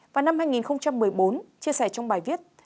vào năm hai nghìn một mươi bốn chia sẻ trong bài viết